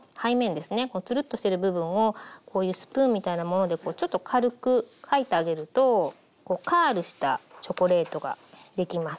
このツルッとしてる部分をこういうスプーンみたいなものでこうちょっと軽くかいてあげるとこうカールしたチョコレートができます。